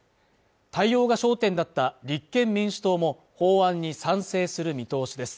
対応が焦点だった立憲民主党も法案に賛成する見通しです